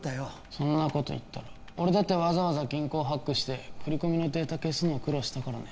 そんなこと言ったら俺だってわざわざ銀行ハックして振り込みのデータ消すの苦労したからね